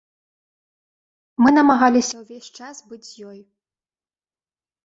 Мы намагаліся ўвесь час быць з ёй.